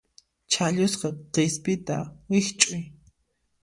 Chhallusqa qispita wikch'uy.